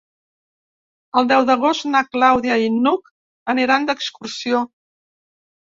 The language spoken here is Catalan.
El deu d'agost na Clàudia i n'Hug aniran d'excursió.